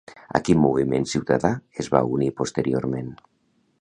A quin moviment ciutadà es va unir posteriorment?